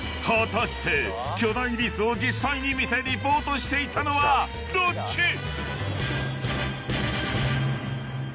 ［果たして巨大リスを実際に見てリポートしていたのはどっち？］